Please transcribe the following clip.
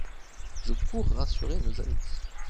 Je cours rassurer nos amis.